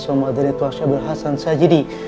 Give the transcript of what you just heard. sama dari tuhan syai'ul hassan sajidi